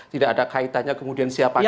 tidak ada kaitannya kemudian siapa kita